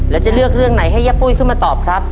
แล้วจะเลือกเรื่องไหนให้ย่าปุ้ยขึ้นมาตอบครับ